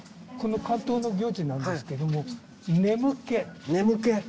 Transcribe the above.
この竿燈の行事なんですけども眠気。